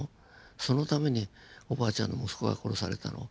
そのためにおばあちゃんの息子が殺されたの？